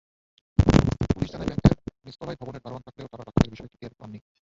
Police জানায়, ব্যাংকের নিচতলায় ভবনের দারোয়ান থাকলেও তাঁরা ডাকাতির বিষয়টি টের পাননি।